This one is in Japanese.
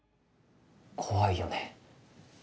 怖いよね？